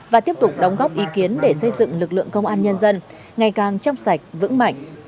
và tiếp tục đóng góp ý kiến để xây dựng lực lượng công an nhân dân ngày càng trong sạch vững mạnh